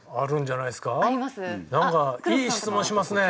なんかいい質問しますね。